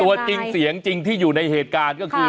ตัวจริงเสียงจริงที่อยู่ในเหตุการณ์ก็คือ